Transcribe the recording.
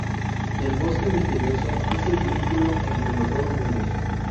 El bosque misterioso es el vínculo entre los dos mundos.